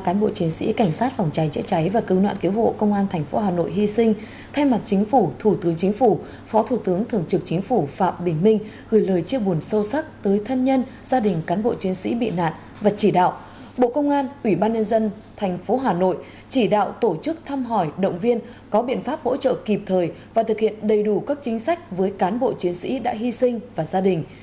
các đơn vị có liên quan kịp thời và thực hiện đầy đủ các chính sách với cán bộ chiến sĩ đã hy sinh và gia đình